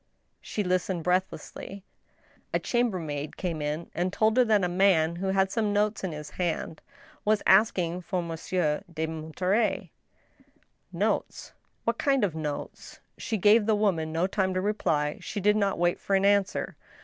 She listened breathlessly. A chambermaid came in and told her that a man, who had some notes in his hand, was asking for Monsieur de Monterey. " Notes ? What kind of notes ?" She gave the woman no time to reply ; she did not wait for an answer.